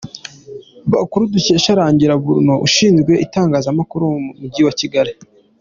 Amakuru dukesha Rangira Bruno Ushinzwe itangazamakuru mu Mujyi wa Kigali.